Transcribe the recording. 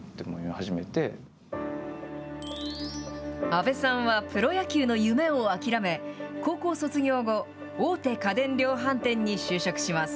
阿部さんはプロ野球の夢を諦め、高校卒業後、大手家電量販店に就職します。